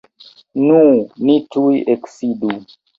Nu, ni tuj eksidu.